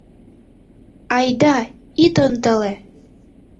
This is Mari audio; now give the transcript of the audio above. — Айда, ит ондале!